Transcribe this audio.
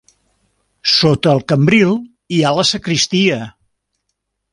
Sota el cambril hi ha la sagristia.